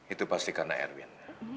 itu pasti karena erwin